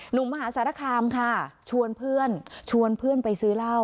มหาสารคามค่ะชวนเพื่อนชวนเพื่อนไปซื้อเหล้า